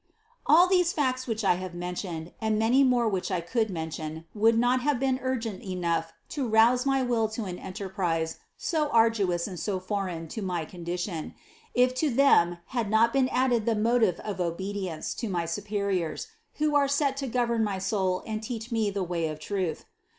All these facts which I have mentioned, and many more which I could mention, would not have been urgent enough to rouse my will to an enterprise so arduous and so foreign to my condition, if to them had not been added the motive of obedience to my superiors, who are set to govern my soul and teach me the way of truth.